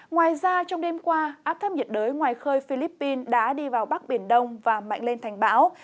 ngoài ra trong đêm qua áp thấp nhiệt đới ngoài khơi philippines đã đi vào bắc biển đông và mạnh lên thành bão